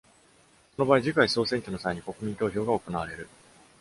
その場合、次回総選挙の際に国民投票が行われる。